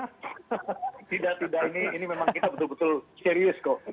tidak tidak ini ini memang kita betul betul serius kok